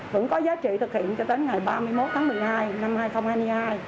vẫn có giá trị thực hiện cho đến ngày ba mươi một tháng một mươi hai năm hai nghìn hai mươi hai